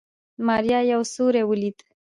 ماريا يو سيوری وليد.